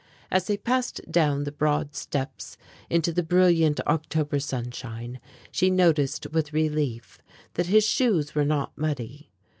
As they passed down the broad steps into the brilliant October sunshine, she noticed with relief that his shoes were not muddy.